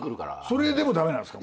それでも駄目なんすか？